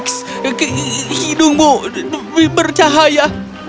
yikes hidungmu bercahaya